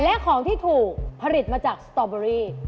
และของที่ถูกผลิตมาจากสตอเบอรี่